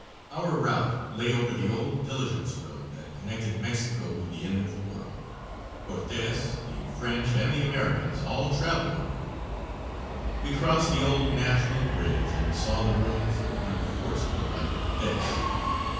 Our route lay over the old diligence road that connected Mexico with the end of the world. Cortes, the French and the Americans all traveled over it. We crossed the old national bridge and saw the ruins of one of the forts built by Cortes.